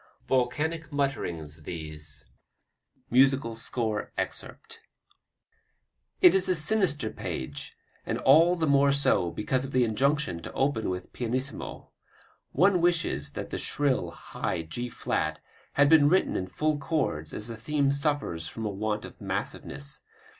Volcanic mutterings these: [Musical score excerpt] It is a sinister page, and all the more so because of the injunction to open with pianissimo. One wishes that the shrill, high G flat had been written in full chords as the theme suffers from a want of massiveness.